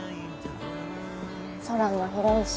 空も広いし。